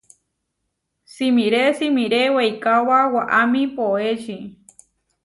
Simiré simiré weikaóba waʼámi poéči.